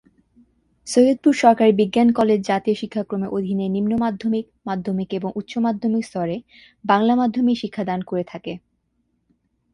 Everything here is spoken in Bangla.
সৈয়দপুর সরকারি বিজ্ঞান কলেজ জাতীয় শিক্ষাক্রমের অধীনে নিম্ন মাধ্যমিক, মাধ্যমিক এবং উচ্চ মাধ্যমিক স্তরে বাংলা মাধ্যমেই শিক্ষাদান করে থাকে।